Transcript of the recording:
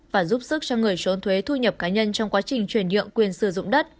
và giúp sức cho người trốn thuế thu nhập cá nhân trong quá trình chuyển nhượng quyền sử dụng đất